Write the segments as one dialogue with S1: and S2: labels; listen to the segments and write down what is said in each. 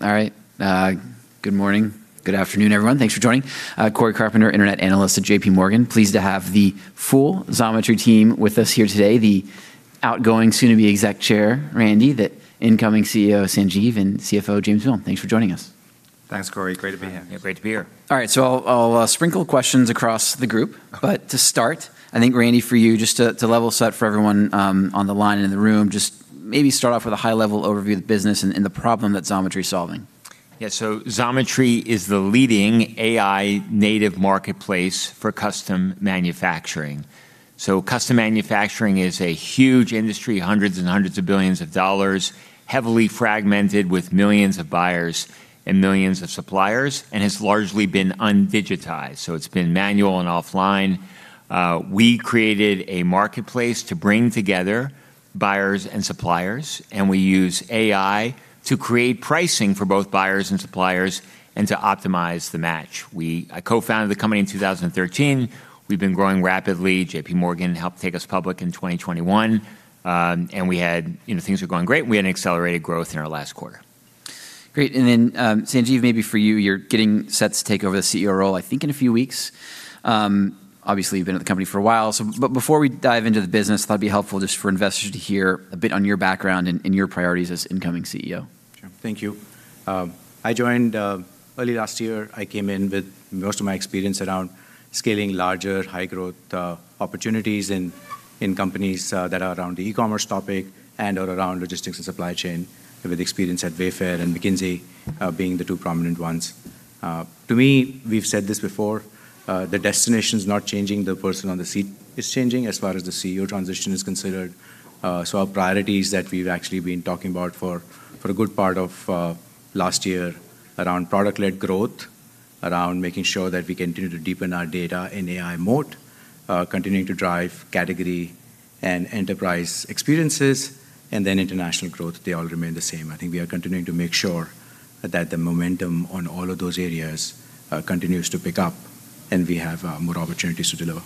S1: All right. Good morning, good afternoon, everyone. Thanks for joining. Cory Carpenter, Internet Analyst at J.P. Morgan. Pleased to have the full Xometry team with us here today. The outgoing soon-to-be Exec Chair, Randy, the incoming CEO, Sanjeev, and CFO, James Miln. Thanks for joining us.
S2: Thanks, Cory. Great to be here.
S3: Yeah, great to be here.
S1: All right, I'll sprinkle questions across the group. To start, I think, Randy, for you, just to level set for everyone on the line and in the room, just maybe start off with a high-level overview of the business and the problem that Xometry's solving.
S2: Xometry is the leading AI-native marketplace for custom manufacturing. Custom manufacturing is a huge industry, hundreds and hundreds of billions of dollars, heavily fragmented with millions of buyers and millions of suppliers, and has largely been undigitized. It's been manual and offline. We created a marketplace to bring together buyers and suppliers, and we use AI to create pricing for both buyers and suppliers and to optimize the match. I co-founded the company in 2013. We've been growing rapidly. J.P. Morgan helped take us public in 2021. We had, you know, things were going great, and we had an accelerated growth in our last quarter.
S1: Great. Sanjeev, maybe for you're getting set to take over the CEO role, I think, in a few weeks. Obviously, you've been at the company for a while. Before we dive into the business, thought it'd be helpful just for investors to hear a bit on your background and your priorities as incoming CEO.
S3: Sure. Thank you. I joined early last year. I came in with most of my experience around scaling larger high-growth opportunities in companies that are around the e-commerce topic and are around logistics and supply chain, with experience at Wayfair and McKinsey being the two prominent ones. To me, we've said this before, the destination's not changing, the person on the seat is changing as far as the CEO transition is considered. Our priorities that we've actually been talking about for a good part of last year around product-led growth, around making sure that we continue to deepen our data and AI moat, continuing to drive category and enterprise experiences, and then international growth, they all remain the same. I think we are continuing to make sure that the momentum on all of those areas, continues to pick up, and we have, more opportunities to deliver.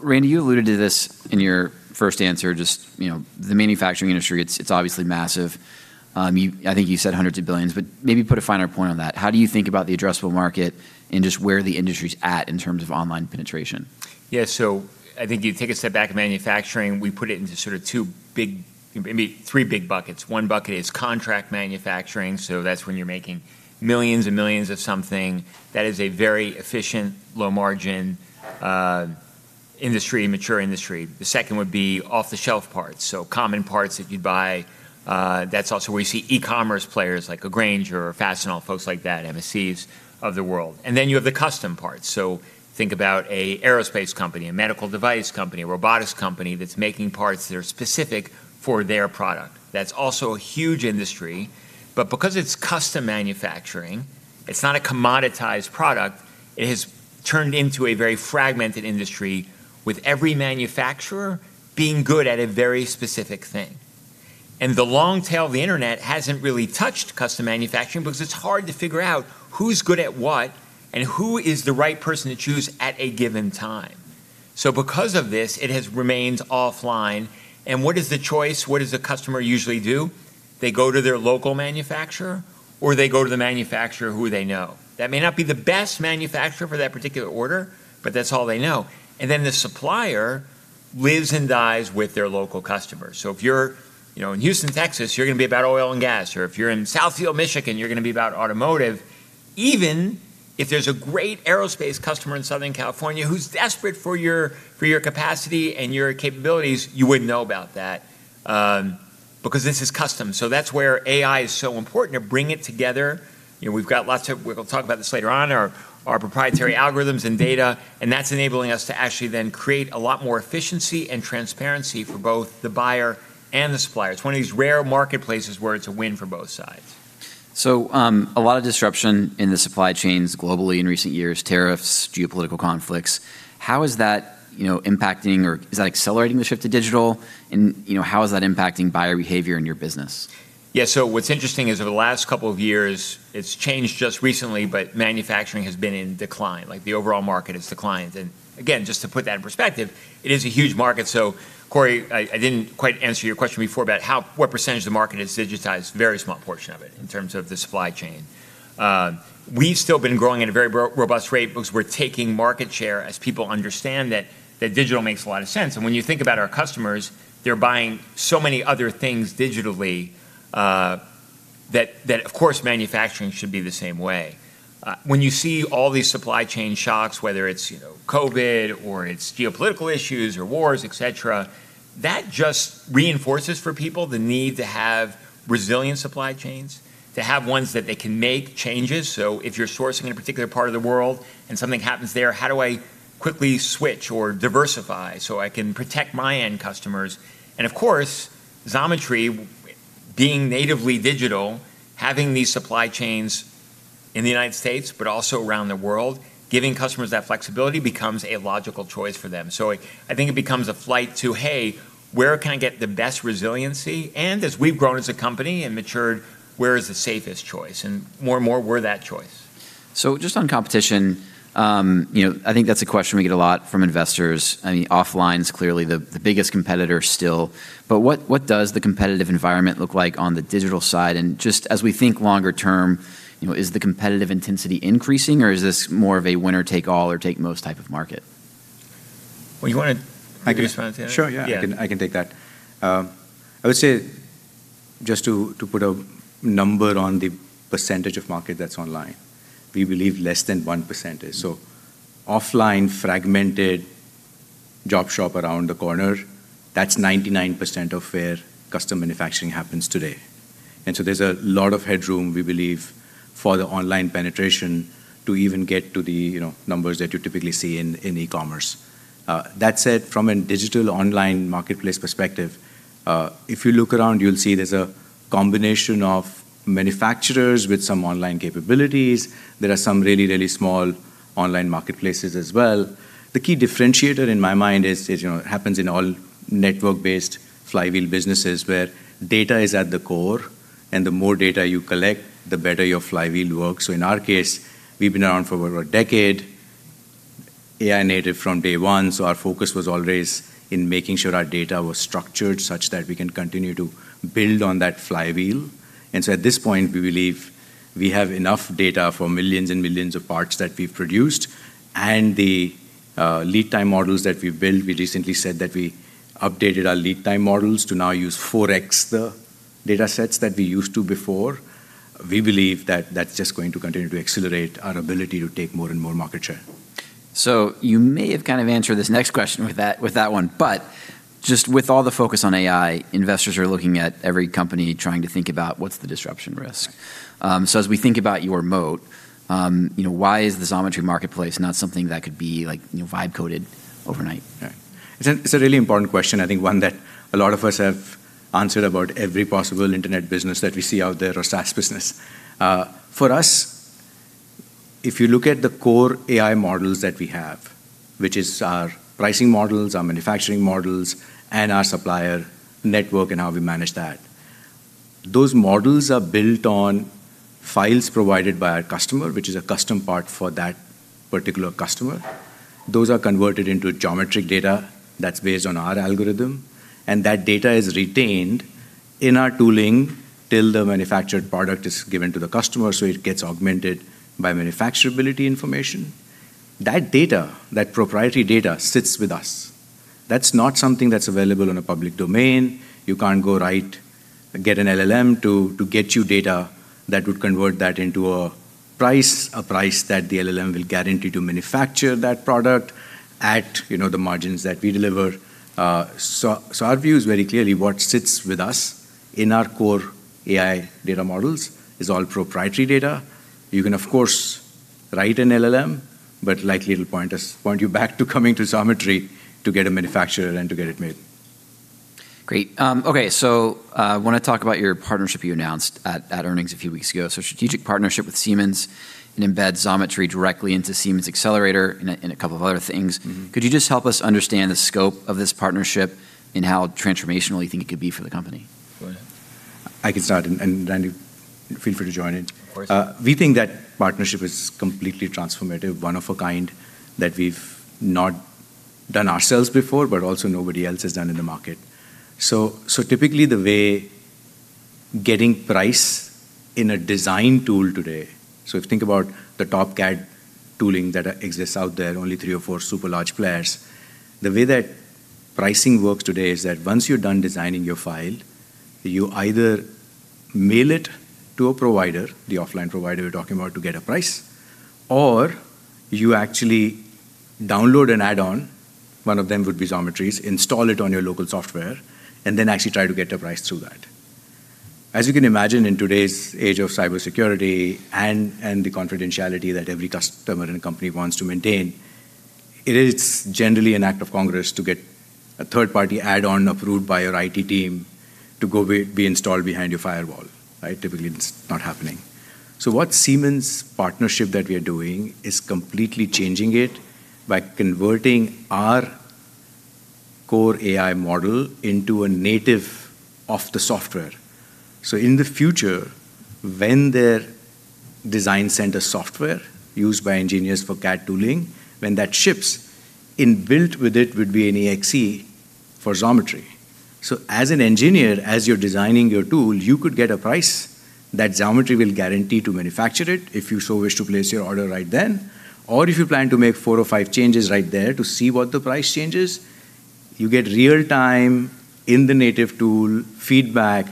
S1: Randy, you alluded to this in your first answer, just, you know, the manufacturing industry, it's obviously massive. You, I think you said hundreds of billions, but maybe put a finer point on that. How do you think about the addressable market and just where the industry's at in terms of online penetration?
S2: Yeah. I think you take a step back in manufacturing, we put it into sort of two big, maybe three big buckets. One bucket is contract manufacturing, that's when you're making millions and millions of something. That is a very efficient low-margin industry, mature industry. The second would be off-the-shelf parts, common parts that you'd buy. That's also where you see e-commerce players like a Grainger or Fastenal, folks like that, MSCs of the world. You have the custom parts. Think about a aerospace company, a medical device company, a robotics company that's making parts that are specific for their product. That's also a huge industry. Because it's custom manufacturing, it's not a commoditized product, it has turned into a very fragmented industry, with every manufacturer being good at a very specific thing. The long tail of the internet hasn't really touched custom manufacturing because it's hard to figure out who's good at what and who is the right person to choose at a given time. Because of this, it has remained offline. What is the choice? What does the customer usually do? They go to their local manufacturer, or they go to the manufacturer who they know. That may not be the best manufacturer for that particular order, but that's all they know. The supplier lives and dies with their local customers. If you're, you know, in Houston, Texas, you're gonna be about oil and gas, or if you're in Southfield, Michigan, you're gonna be about automotive. Even if there's a great aerospace customer in Southern California who's desperate for your, for your capacity and your capabilities, you wouldn't know about that because this is custom. That's where AI is so important, to bring it together. You know, we'll talk about this later on, our proprietary algorithms and data, and that's enabling us to actually then create a lot more efficiency and transparency for both the buyer and the supplier. It's one of these rare marketplaces where it's a win for both sides.
S1: A lot of disruption in the supply chains globally in recent years, tariffs, geopolitical conflicts. How is that, you know, impacting or is that accelerating the shift to digital? You know, how is that impacting buyer behavior in your business?
S2: So what's interesting is over the last couple of years, it's changed just recently, but manufacturing has been in decline. Like, the overall market has declined. Again, just to put that in perspective, it is a huge market. Cory, I didn't quite answer your question before about how, what percentage of the market is digitized. Very small portion of it in terms of the supply chain. We've still been growing at a very robust rate because we're taking market share as people understand that digital makes a lot of sense. When you think about our customers, they're buying so many other things digitally, that of course manufacturing should be the same way. When you see all these supply chain shocks, whether it's, you know, COVID or it's geopolitical issues or wars, et cetera, that just reinforces for people the need to have resilient supply chains, to have ones that they can make changes. If you're sourcing in a particular part of the world and something happens there, how do I quickly switch or diversify so I can protect my end customers? Of course, Xometry being natively digital, having these supply chains in the United States but also around the world, giving customers that flexibility becomes a logical choice for them. I think it becomes a flight to, hey, where can I get the best resiliency? As we've grown as a company and matured, where is the safest choice? More and more, we're that choice.
S1: Just on competition, you know, I think that's a question we get a lot from investors. I mean, offline's clearly the biggest competitor still, but what does the competitive environment look like on the digital side? Just as we think longer term, you know, is the competitive intensity increasing, or is this more of a winner take all or take most type of market?
S2: Well.
S3: I can-
S2: You can respond to that.
S3: Sure.
S2: Yeah.
S3: Yeah, I can take that. I would say just to put a number on the percentage of market that's online, we believe less than 1% is. Offline fragmented job shop around the corner, that's 99% of where custom manufacturing happens today. There's a lot of headroom, we believe, for the online penetration to even get to the, you know, numbers that you typically see in e-commerce. That said, from a digital online marketplace perspective, if you look around, you'll see there's a combination of manufacturers with some online capabilities. There are some really small online marketplaces as well. The key differentiator in my mind is, you know, it happens in all network-based flywheel businesses where data is at the core, and the more data you collect, the better your flywheel works. In our case, we've been around for over a decade, AI native from day one, so our focus was always in making sure our data was structured such that we can continue to build on that flywheel. At this point, we believe we have enough data for millions and millions of parts that we've produced, and the lead time models that we've built, we recently said that we updated our lead time models to now use 4x the data sets that we used to before. We believe that that's just going to continue to accelerate our ability to take more and more market share.
S1: You may have kind of answered this next question with that, with that one, but just with all the focus on AI, investors are looking at every company trying to think about what's the disruption risk. As we think about your moat, you know, why is the Xometry marketplace not something that could be like, you know, vibe coded overnight?
S3: Right. It's a really important question, I think one that a lot of us have answered about every possible internet business that we see out there or SaaS business. For us, if you look at the core AI models that we have, which is our pricing models, our manufacturing models, and our supplier network and how we manage that, those models are built on files provided by our customer, which is a custom part for that particular customer. Those are converted into geometric data that's based on our algorithm, that data is retained in our tooling till the manufactured product is given to the customer, it gets augmented by manufacturability information. That data, that proprietary data, sits with us. That's not something that's available on a public domain. You can't go write, get an LLM to get you data that would convert that into a price, a price that the LLM will guarantee to manufacture that product at, you know, the margins that we deliver. Our view is very clearly what sits with us in our core AI data models is all proprietary data. You can of course write an LLM, likely it'll point you back to coming to Xometry to get it manufactured and to get it made.
S1: Great. Okay. Wanna talk about your partnership you announced at earnings a few weeks ago. Strategic partnership with Siemens and embed Xometry directly into Siemens Xcelerator in a couple of other things. Could you just help us understand the scope of this partnership and how transformational you think it could be for the company?
S2: Go ahead.
S3: I can start and Randy, feel free to join in.
S2: Of course.
S3: We think that partnership is completely transformative, one of a kind that we've not done ourselves before, but also nobody else has done in the market. Typically the way getting price in a design tool today, if you think about the top CAD tooling that exists out there, only three or four super large players, the way that pricing works today is that once you're done designing your file, you either mail it to a provider, the offline provider we're talking about, to get a price, or you actually download an add-on, one of them would be Xometry's, install it on your local software, and then actually try to get a price through that. As you can imagine in today's age of cybersecurity and the confidentiality that every customer and company wants to maintain, it is generally an act of Congress to get a third-party add-on approved by your IT team to go be installed behind your firewall, right? Typically, it's not happening. What Siemens partnership that we are doing is completely changing it by converting our core AI model into a native of the software. In the future, when their design center software used by engineers for CAD tooling, when that ships, inbuilt with it would be an EXE for Xometry. As an engineer, as you're designing your tool, you could get a price that Xometry will guarantee to manufacture it if you so wish to place your order right then, or if you plan to make four or five changes right there to see what the price change is, you get real time in the native tool feedback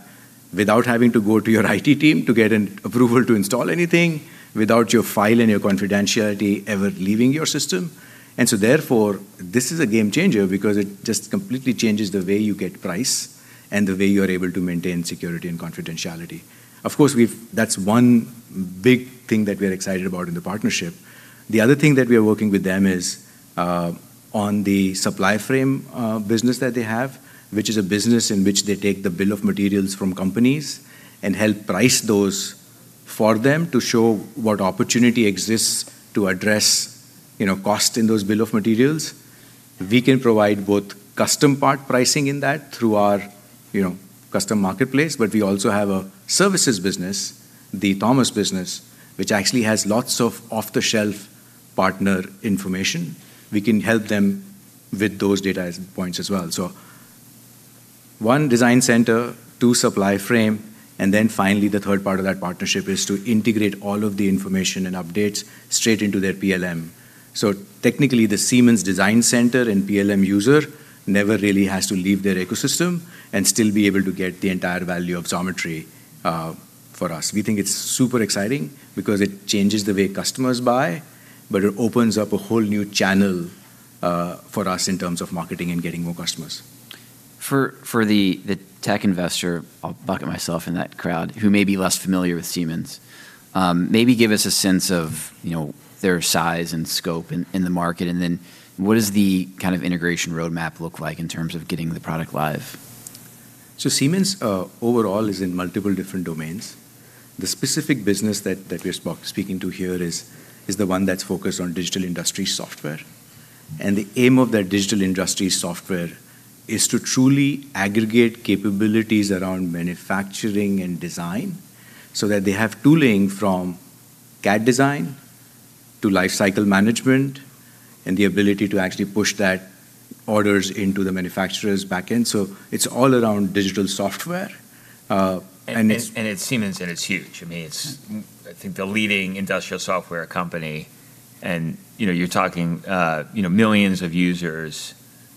S3: without having to go to your IT team to get an approval to install anything, without your file and your confidentiality ever leaving your system. This is a game changer because it just completely changes the way you get price and the way you're able to maintain security and confidentiality. Of course, that's one big thing that we're excited about in the partnership. The other thing that we are working with them is, on the Supplyframe business that they have, which is a business in which they take the bill of materials from companies and help price those for them to show what opportunity exists to address, you know, cost in those bill of materials. We can provide both custom part pricing in that through our, you know, custom marketplace, but we also have a services business, the Thomas business, which actually has lots of off-the-shelf partner information. We can help them with those data as points as well. One design center, two Supplyframe, and then finally the third part of that partnership is to integrate all of the information and updates straight into their PLM. Technically, the Siemens Designcenter and PLM user never really has to leave their ecosystem and still be able to get the entire value of Xometry for us. We think it's super exciting because it changes the way customers buy, but it opens up a whole new channel for us in terms of marketing and getting more customers.
S1: For the tech investor, I'll bucket myself in that crowd, who may be less familiar with Siemens, maybe give us a sense of, you know, their size and scope in the market, and then what is the kind of integration roadmap look like in terms of getting the product live?
S4: Siemens overall is in multiple different domains. The specific business that we're speaking to here is the one that's focused on digital industry software. The aim of that digital industry software is to truly aggregate capabilities around manufacturing and design so that they have tooling from CAD design to life cycle management and the ability to actually push that orders into the manufacturer's backend. It's all around digital software.
S2: It's Siemens, and it's huge. I think the leading industrial software company, you know, you're talking, you know, millions of users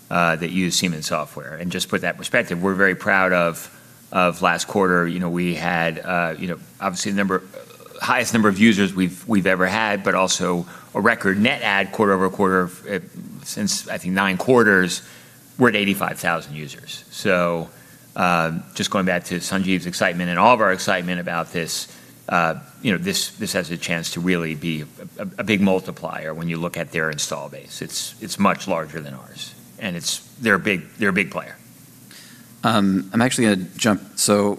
S2: that use Siemens software. Just put that perspective, we're very proud of last quarter. You know, we had, you know, obviously the highest number of users we've ever had, but also a record net add quarter-over-quarter since, I think nine quarters. We're at 85,000 users. Just going back to Sanjeev's excitement and all of our excitement about this, you know, this has a chance to really be a big multiplier when you look at their install base. It's much larger than ours, and they're a big player.
S1: I'm actually gonna jump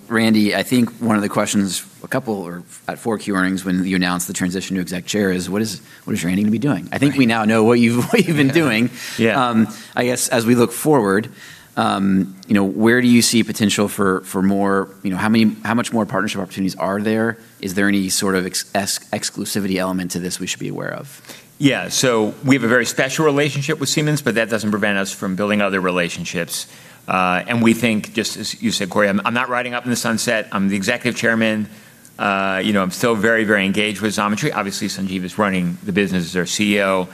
S1: Randy, I think one of the questions a couple or at Q4 earnings when you announced the transition to Executive Chair is what is Randy gonna be doing?
S2: Right.
S1: I think I now know what you've been doing.
S2: Yeah.
S1: I guess as we look forward, you know, where do you see potential for more You know, how much more partnership opportunities are there? Is there any sort of exclusivity element to this we should be aware of?
S2: Yeah. We have a very special relationship with Siemens, but that doesn't prevent us from building other relationships. We think, just as you said, Cory, I'm not riding up in the sunset. I'm the Executive Chairman. You know, I'm still very, very engaged with Xometry. Obviously, Sanjeev is running the business as our CEO.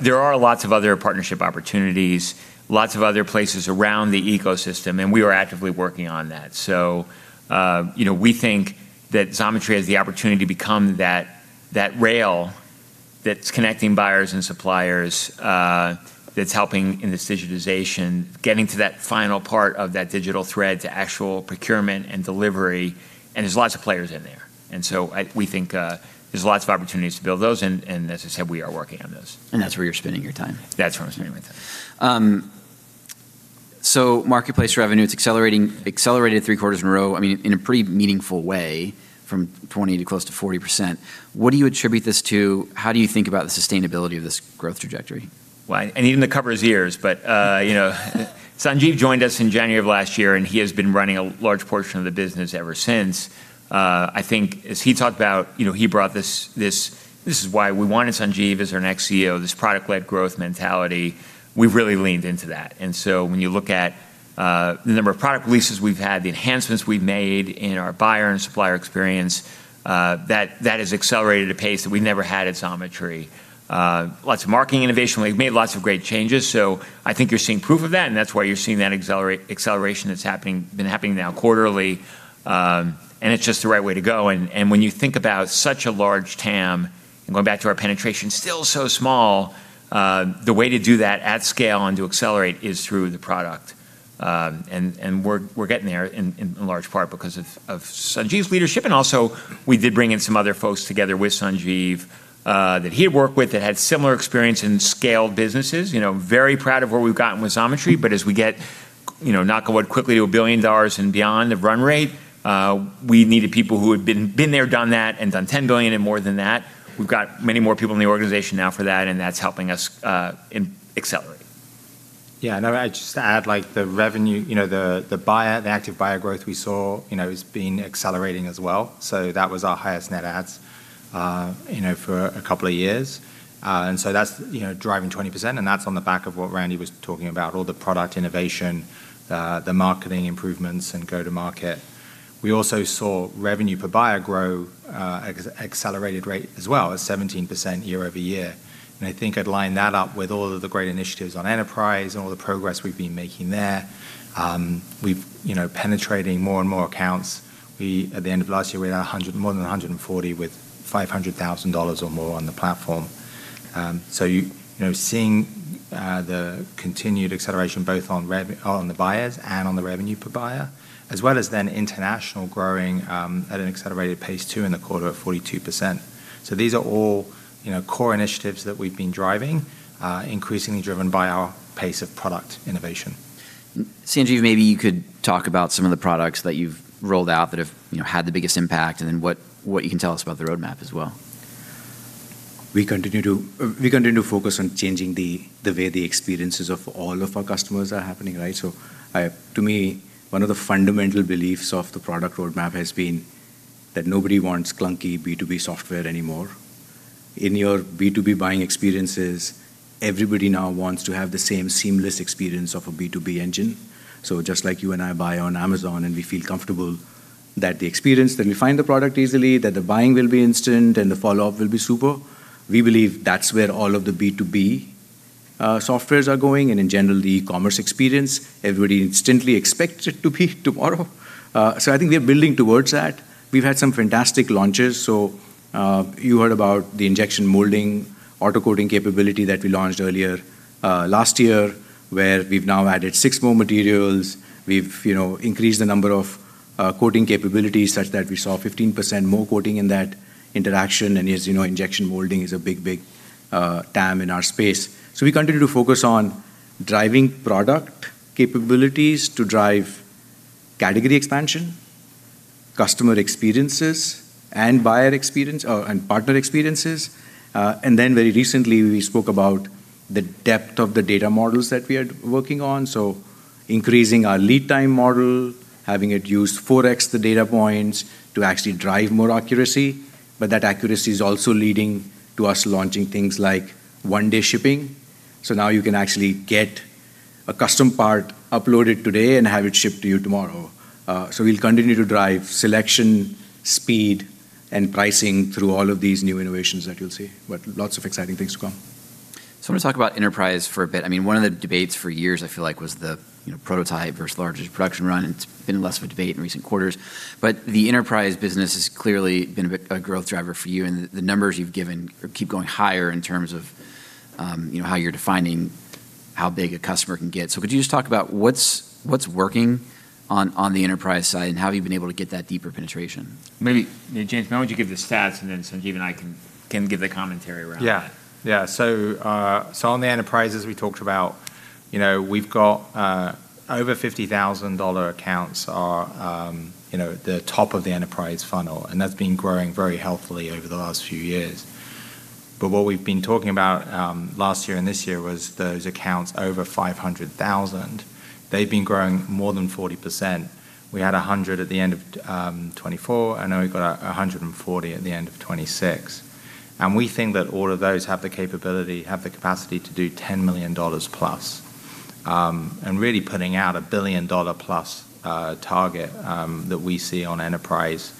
S2: There are lots of other partnership opportunities, lots of other places around the ecosystem, and we are actively working on that. You know, we think that Xometry has the opportunity to become that rail that's connecting buyers and suppliers, that's helping in this digitization, getting to that final part of that digital thread to actual procurement and delivery, and there's lots of players in there. We think there's lots of opportunities to build those and as I said, we are working on those.
S1: That's where you're spending your time.
S2: That's where I'm spending my time.
S1: Marketplace revenue, it's accelerating, accelerated 3 quarters in a row, I mean, in a pretty meaningful way from 20% to close to 40%. What do you attribute this to? How do you think about the sustainability of this growth trajectory?
S2: Even to cover his ears, but, you know, Sanjeev joined us in January of last year, and he has been running a large portion of the business ever since. I think as he talked about, you know, he brought this. This is why we wanted Sanjeev as our next CEO, this product-led growth mentality. We've really leaned into that. When you look at the number of product releases we've had, the enhancements we've made in our buyer and supplier experience, that has accelerated a pace that we never had at Xometry. Lots of marketing innovation. We've made lots of great changes. I think you're seeing proof of that, and that's why you're seeing that acceleration that's happening, been happening now quarterly. It's just the right way to go. When you think about such a large TAM, going back to our penetration, still so small, the way to do that at scale and to accelerate is through the product. We're getting there in large part because of Sanjeev's leadership. We did bring in some other folks together with Sanjeev that he had worked with that had similar experience in scaled businesses. You know, very proud of where we've gotten with Xometry, but as we get, you know, not going quickly to $1 billion and beyond the run rate, we needed people who had been there, done that, and done $10 billion and more than that. We've got many more people in the organization now for that, and that's helping us in accelerate.
S4: I'd just add like the revenue, you know, the active buyer growth we saw, you know, has been accelerating as well. That was our highest net adds, you know, for a couple of years. That's, you know, driving 20%, and that's on the back of what Randy was talking about, all the product innovation, the marketing improvements, and go-to-market. We also saw revenue per buyer grow, accelerated rate as well as 17% year-over-year. I think I'd line that up with all of the great initiatives on enterprise and all the progress we've been making there. We've, you know, penetrating more and more accounts. At the end of last year, we had more than 140 with $500,000 or more on the platform. You know, seeing the continued acceleration both on the buyers and on the revenue per buyer, as well as then international growing at an accelerated pace too in the quarter of 42%. These are all, you know, core initiatives that we've been driving, increasingly driven by our pace of product innovation.
S1: Sanjeev, maybe you could talk about some of the products that you've rolled out that have, you know, had the biggest impact, and then what you can tell us about the roadmap as well.
S3: We continue to focus on changing the way the experiences of all of our customers are happening, right? To me, one of the fundamental beliefs of the product roadmap has been that nobody wants clunky B2B software anymore. In your B2B buying experiences, everybody now wants to have the same seamless experience of a B2B engine. Just like you and I buy on Amazon, and we feel comfortable that the experience, that we find the product easily, that the buying will be instant, and the follow-up will be super, we believe that's where all of the B2B softwares are going, and in general, the commerce experience. Everybody instantly expects it to be tomorrow. I think we are building towards that. We've had some fantastic launches. You heard about the injection molding auto-quoting capability that we launched earlier last year, where we've now added 6 more materials. We've, you know, increased the number of quoting capabilities such that we saw 15% more quoting in that interaction. As you know, injection molding is a big, big TAM in our space. We continue to focus on driving product capabilities to drive category expansion, customer experiences, and partner experiences. Very recently we spoke about the depth of the data models that we are working on. Increasing our lead time model, having it use 4x the data points to actually drive more accuracy, but that accuracy is also leading to us launching things like one-day shipping. Now you can actually get a custom part uploaded today and have it shipped to you tomorrow. We'll continue to drive selection, speed, and pricing through all of these new innovations that you'll see. Lots of exciting things to come.
S1: I want to talk about enterprise for a bit. I mean, one of the debates for years I feel like was the, you know, prototype versus largest production run. It's been less of a debate in recent quarters. The enterprise business has clearly been a growth driver for you, and the numbers you've given keep going higher in terms of, you know, how you're defining how big a customer can get. Could you just talk about what's working on the enterprise side, and how have you been able to get that deeper penetration?
S2: Maybe, yeah, James, why don't you give the stats, and then Sanjeev and I can give the commentary around that.
S4: On the enterprises we talked about, you know, we've got Over $50,000 accounts are, you know, the top of the enterprise funnel, and that's been growing very healthily over the last few years. What we've been talking about last year and this year was those accounts over $500,000. They've been growing more than 40%. We had 100 at the end of 2024, now we've got 140 at the end of 2026. We think that all of those have the capability, have the capacity to do $10 million+, really putting out a billion-dollar-plus target that we see on enterprise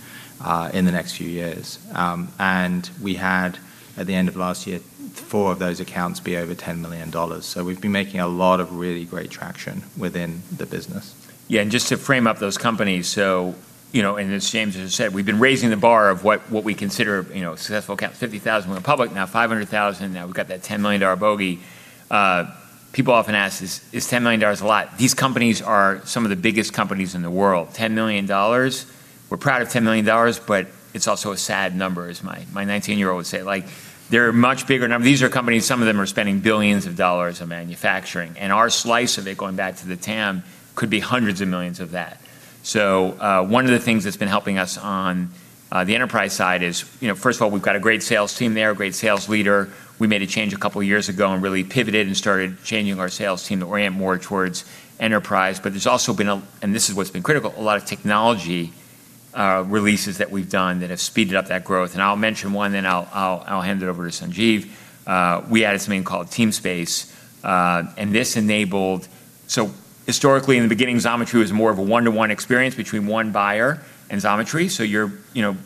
S4: in the next few years. We had at the end of last year, four of those accounts be over $10 million. We've been making a lot of really great traction within the business.
S2: Just to frame up those companies, as James has said, we've been raising the bar of what we consider a successful account. 50,000 when we went public, now 500,000, now we've got that $10 million bogey. People often ask, "Is $10 million a lot?" These companies are some of the biggest companies in the world. $10 million, we're proud of $10 million, it's also a sad number, as my 19-year-old would say. Like, they're a much bigger number. These are companies, some of them are spending billions of dollars on manufacturing, our slice of it, going back to the TAM, could be hundreds of millions of that. One of the things that's been helping us on the enterprise side is, you know, first of all, we've got a great sales team there, a great sales leader. We made a change a couple years ago and really pivoted and started changing our sales team to orient more towards enterprise. There's also been a, and this is what's been critical, a lot of technology releases that we've done that have speeded up that growth. I'll mention one, then I'll hand it over to Sanjeev. We added something called Teamspace, and this enabled historically, in the beginning, Xometry was more of a one-to-one experience between one buyer and Xometry, so you're, you know,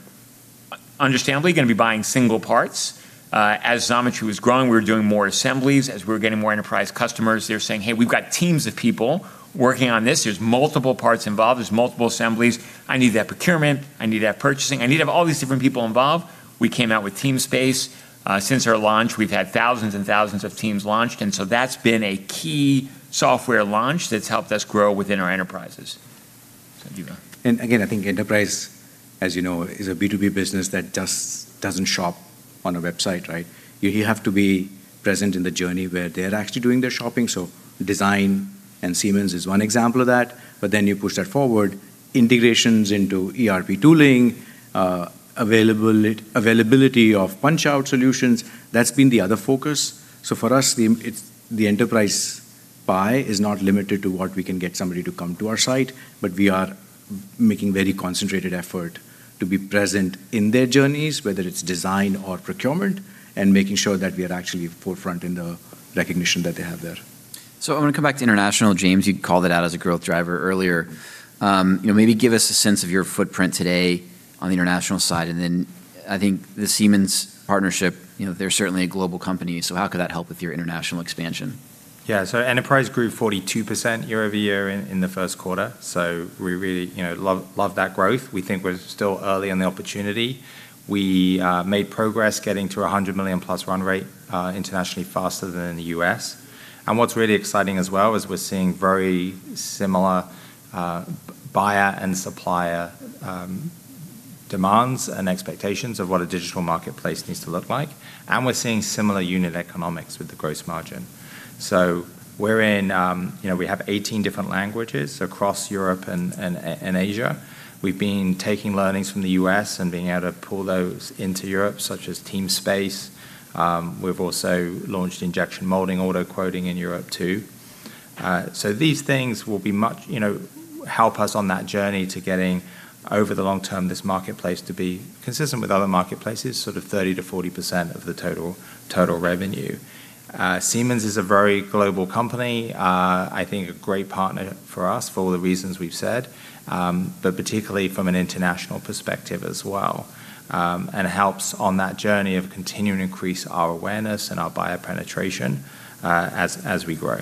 S2: understandably gonna be buying single parts. As Xometry was growing, we were doing more assemblies. As we were getting more enterprise customers, they were saying, "Hey, -e've got teams of people working on this. There's multiple parts involved. There's multiple assemblies. I need to have procurement. I need to have purchasing. I need to have all these different people involved." We came out with Teamspace. Since our launch, we've had thousands and thousands of teams launched, and so that's been a key software launch that's helped us grow within our enterprises. Sanjeev.
S3: Again, I think enterprise, as you know, is a B2B business that just doesn't shop on a website, right? You have to be present in the journey where they're actually doing their shopping. Design, Siemens is one example of that, you push that forward, integrations into ERP tooling, availability of punch-out solutions, that's been the other focus. For us, the enterprise pie is not limited to what we can get somebody to come to our site, but we are making very concentrated effort to be present in their journeys, whether it's design or procurement, and making sure that we are actually forefront in the recognition that they have there.
S1: I wanna come back to international. James, you called it out as a growth driver earlier. You know, maybe give us a sense of your footprint today on the international side, and then I think the Siemens partnership, you know, they're certainly a global company. How could that help with your international expansion?
S4: Yeah. Enterprise grew 42% year-over-year in the first quarter, we really, you know, love that growth. We made progress getting to 100 million-plus run rate internationally faster than in the U.S. What's really exciting as well is we're seeing very similar buyer and supplier demands and expectations of what a digital marketplace needs to look like. We're seeing similar unit economics with the gross margin. We're in, you know, we have 18 different languages across Europe and Asia. We've been taking learnings from the U.S. and being able to pull those into Europe, such as Teamspace. We've also launched injection molding auto-quoting in Europe too. These things will be much you know, help us on that journey to getting over the long term, this marketplace to be consistent with other marketplaces, sort of 30%-40% of the total revenue. Siemens is a very global company. I think a great partner for us for all the reasons we've said, but particularly from an international perspective as well. Helps on that journey of continuing to increase our awareness and our buyer penetration as we grow.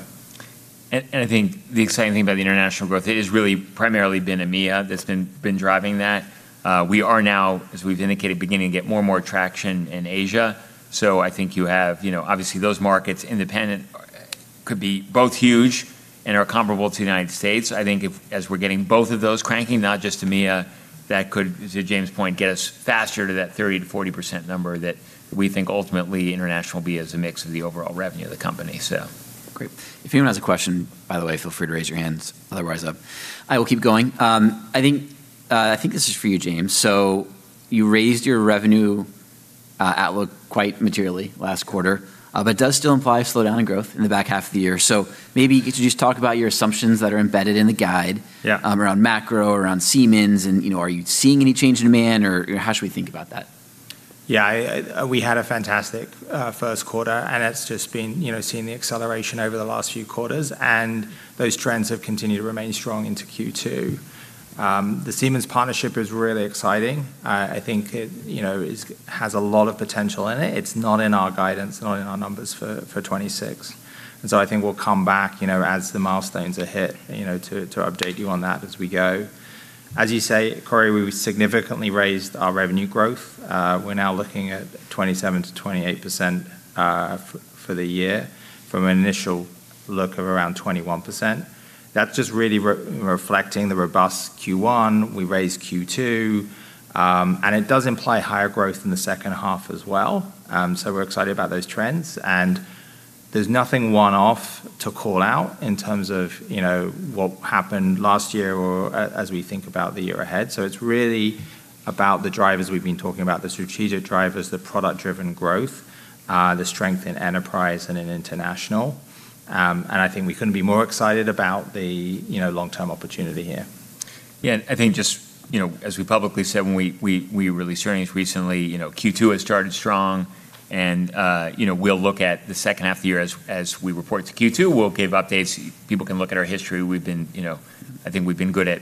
S2: I think the exciting thing about the international growth; it has really primarily been EMEA that's been driving that. We are now, as we've indicated, beginning to get more and more traction in Asia. I think you have, you know, obviously those markets independent could be both huge and are comparable to the United States. I think if as we're getting both of those cranking, not just EMEA, that could, to James' point, get us faster to that 30% to 40% number that we think ultimately international will be as a mix of the overall revenue of the company.
S1: Great. If anyone has a question, by the way, feel free to raise your hands. Otherwise, I will keep going. I think, I think this is for you, James. You raised your revenue outlook quite materially last quarter, but it does still imply a slowdown in growth in the back half of the year. Maybe you could just talk about your assumptions that are embedded in the guide-
S4: Yeah
S1: around macro, around Siemens, you know, are you seeing any change in demand, or how should we think about that?
S4: Yeah, we had a fantastic first quarter, and it's just been, you know, seeing the acceleration over the last few quarters, and those trends have continued to remain strong into Q2. The Siemens partnership is really exciting. I think it, you know, has a lot of potential in it. It's not in our guidance, not in our numbers for 2026. I think we'll come back, you know, as the milestones are hit, you know, to update you on that as we go. As you say, Cory, we significantly raised our revenue growth. We're now looking at 27%-28% for the year from an initial look of around 21%. That's just really reflecting the robust Q1. We raised Q2. It does imply higher growth in the second half as well. We're excited about those trends. There's nothing one-off to call out in terms of, you know, what happened last year or as we think about the year ahead. It's really about the drivers we've been talking about, the strategic drivers, the product-driven growth, the strength in enterprise and in international. I think we couldn't be more excited about the, you know, long-term opportunity here.
S2: Yeah, I think just, you know, as we publicly said when we released earnings recently, you know, Q2 has started strong, you know, we'll look at the second half of the year as we report to Q2. We'll give updates. People can look at our history. We've been, you know I think we've been good at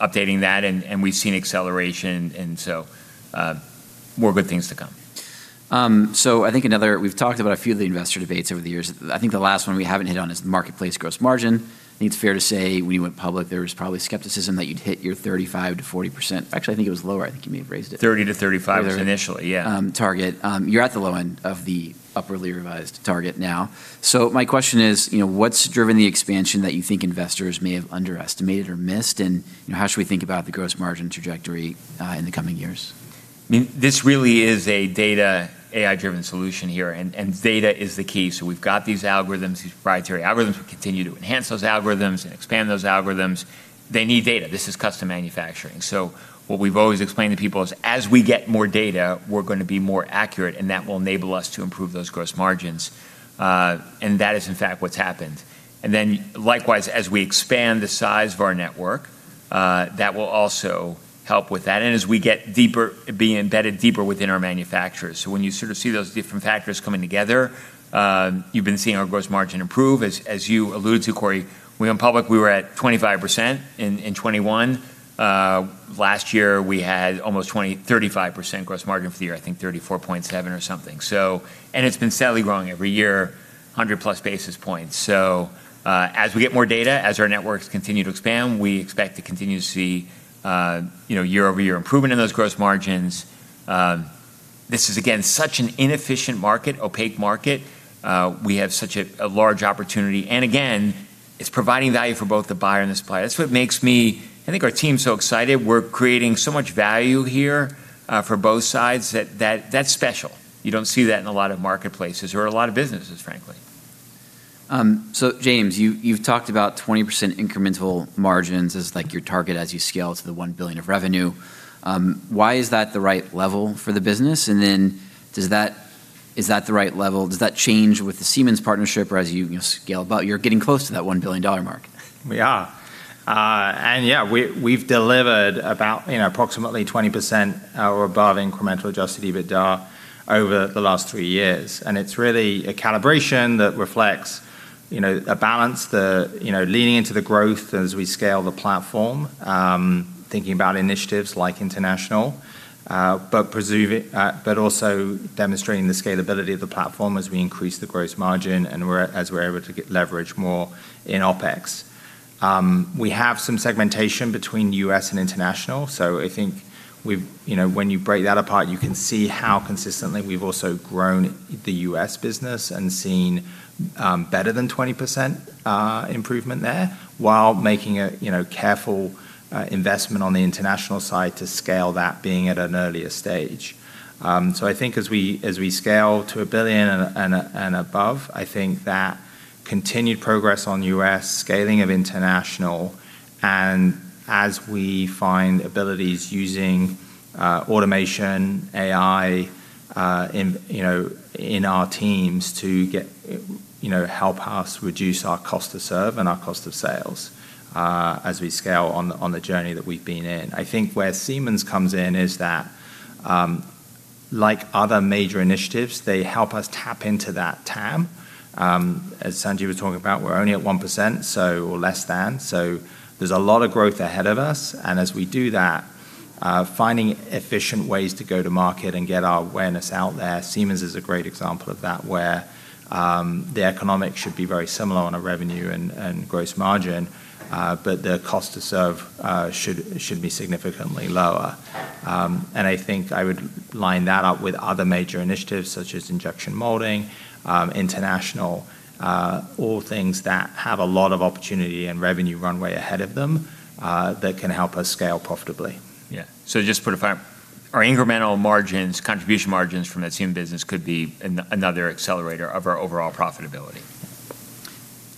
S2: updating that and we've seen acceleration and so, more good things to come.
S1: We've talked about a few of the investor debates over the years. I think the last one we haven't hit on is marketplace gross margin. I think it's fair to say when you went public, there was probably skepticism that you'd hit your 35%-40%. Actually, I think it was lower. I think you may have raised it.
S2: 30-35 was initially, yeah.
S1: Target. You're at the low end of the upwardly revised target now. My question is, you know, what's driven the expansion that you think investors may have underestimated or missed, and, you know, how should we think about the gross margin trajectory in the coming years?
S2: I mean, this really is a data AI-driven solution here, and data is the key. We've got these algorithms, these proprietary algorithms. We continue to enhance those algorithms and expand those algorithms. They need data. This is custom manufacturing. What we've always explained to people is, as we get more data, we're gonna be more accurate, and that will enable us to improve those gross margins. That is, in fact, what's happened. Likewise, as we expand the size of our network, that will also help with that and be embedded deeper within our manufacturers. When you sort of see those different factors coming together, you've been seeing our gross margin improve. As you alluded to, Cory, we went public, we were at 25% in 2021. Last year, we had almost 35% gross margin for the year, I think 34.7 or something. It's been steadily growing every year, 100 plus basis points. As we get more data, as our networks continue to expand, we expect to continue to see, you know, year-over-year improvement in those gross margins. This is again, such an inefficient market, opaque market. We have such a large opportunity. Again, it's providing value for both the buyer and the supplier. That's what makes me, I think our team so excited. We're creating so much value here for both sides that that's special. You don't see that in a lot of marketplaces or a lot of businesses, frankly.
S1: James, you've talked about 20% incremental margins as, like, your target as you scale to the $1 billion of revenue. Why is that the right level for the business? Is that the right level? Does that change with the Siemens partnership or as you know, scale up? You're getting close to that $1 billion dollar mark.
S4: We are. Yeah, we've delivered about, you know, approximately 20% or above incremental adjusted EBITDA over the last three years. It's really a calibration that reflects, you know, a balance, the, you know, leaning into the growth as we scale the platform, thinking about initiatives like international, but preserving, but also demonstrating the scalability of the platform as we increase the gross margin and as we're able to get leverage more in OpEx. We have some segmentation between U.S. and international. I think, you know, when you break that apart, you can see how consistently we've also grown the U.S. business and seen better than 20% improvement there, while making a, you know, careful investment on the international side to scale that being at an earlier stage. I think as we scale to $1 billion and above, I think that continued progress on U.S. scaling of international, and as we find abilities using automation, AI, in, you know, in our teams to get, you know, help us reduce our cost to serve and our cost of sales, as we scale on the journey that we've been in. I think where Siemens comes in is that, like other major initiatives, they help us tap into that TAM. As Sanjeev was talking about, we're only at 1%. There's a lot of growth ahead of us, and as we do that, finding efficient ways to go to market and get our awareness out there, Siemens is a great example of that, where the economics should be very similar on a revenue and gross margin, but the cost to serve should be significantly lower. I think I would line that up with other major initiatives such as injection molding, international, all things that have a lot of opportunity and revenue runway ahead of them, that can help us scale profitably.
S2: Yeah. Just to clarify, our incremental margins, contribution margins from that same business could be another accelerator of our overall profitability.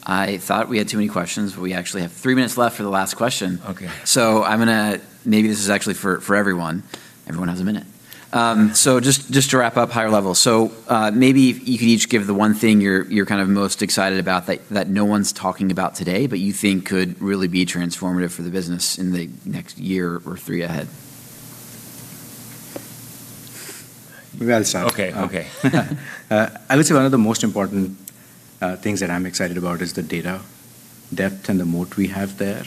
S1: I thought we had too many questions, but we actually have three minutes left for the last question.
S2: Okay.
S1: I'm gonna Maybe this is actually for everyone. Everyone has a minute. Just, just to wrap up higher level. Maybe if you could each give the one thing, you're kind of most excited about that no one's talking about today, but you think could really be transformative for the business in the next year or three ahead.
S3: We gotta start.
S2: Okay. Okay.
S3: I would say one of the most important things that I'm excited about is the data depth and the moat we have there.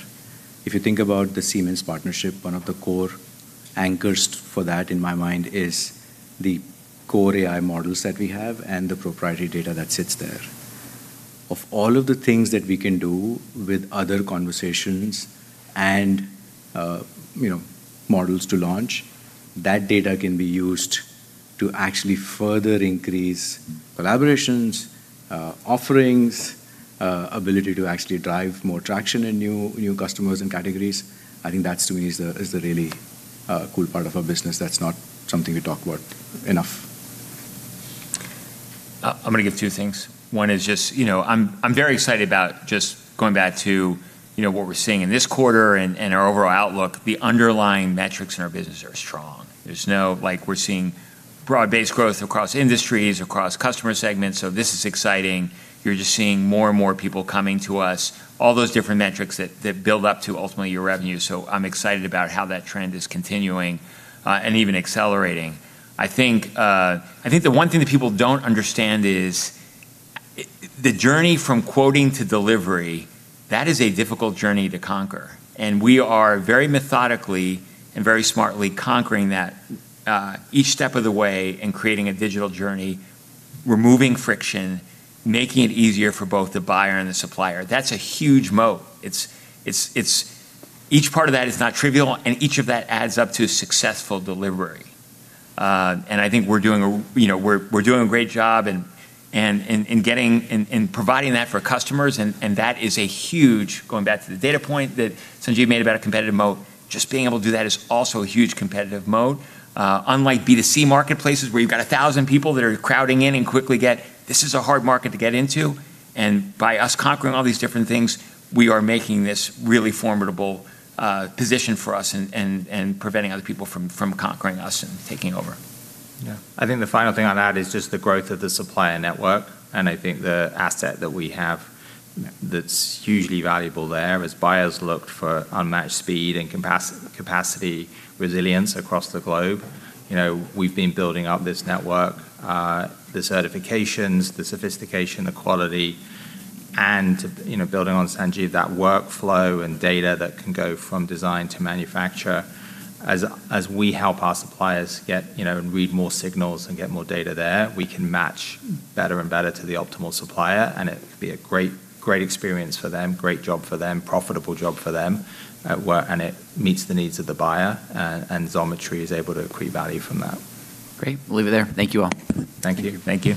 S3: If you think about the Siemens partnership, one of the core anchors for that, in my mind, is the core AI models that we have and the proprietary data that sits there. Of all of the things that we can do with other conversations and, you know, models to launch, that data can be used to actually further increase collaborations, offerings, ability to actually drive more traction in new customers and categories. I think that to me is the, is the really cool part of our business that's not something we talk about enough.
S2: I'm gonna give two things. One is just, you know, I'm very excited about just going back to, you know, what we're seeing in this quarter and our overall outlook. The underlying metrics in our business are strong. Like, we're seeing broad-based growth across industries, across customer segments. This is exciting. You're just seeing more and more people coming to us, all those different metrics that build up to ultimately your revenue. I'm excited about how that trend is continuing and even accelerating. I think the one thing that people don't understand is the journey from quoting to delivery, that is a difficult journey to conquer. We are very methodically and very smartly conquering that each step of the way and creating a digital journey, removing friction, making it easier for both the buyer and the supplier. That's a huge moat. Each part of that is not trivial, and each of that adds up to a successful delivery. I think we're doing a, you know, we're doing a great job in providing that for customers. That is a huge, going back to the data point that Sanjeev made about a competitive moat, just being able to do that is also a huge competitive moat. Unlike B2C marketplaces, where you've got 1,000 people that are crowding in, this is a hard market to get into, and by us conquering all these different things, we are making this really formidable position for us and preventing other people from conquering us and taking over.
S4: Yeah. I think the final thing on that is just the growth of the supplier network, and I think the asset that we have that's hugely valuable there as buyers look for unmatched speed and capacity resilience across the globe. You know, we've been building up this network, the certifications, the sophistication, the quality, and, you know, building on Sanjeev, that workflow and data that can go from design to manufacture. As we help our suppliers get, you know, and read more signals and get more data there, we can match better and better to the optimal supplier, and it could be a great experience for them, great job for them, profitable job for them, and it meets the needs of the buyer, and Xometry is able to create value from that.
S1: Great. We'll leave it there. Thank you, all.
S4: Thank you.
S2: Thank you.